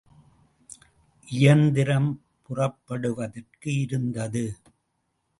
இயந்திரம் புறப்படுவதற்கு இருந்தது.